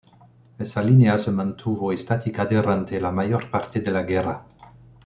Esa línea se mantuvo estática durante la mayor parte de la guerra.